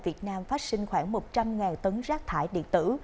việt nam phát sinh khoảng một trăm linh tấn rác thải điện tử